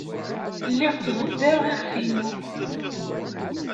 Lliɣ ttḍebbireɣ iɣef-inu.